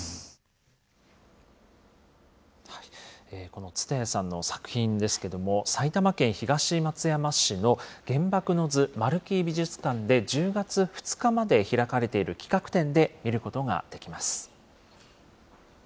この蔦谷さんの作品ですけれども、埼玉県東松山市の原爆の図丸木美術館で、１０月２日まで開かれている企画展で見ることができます。